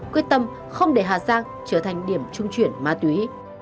quyết tâm không để hà giang trở thành điểm trung chuyển ma túy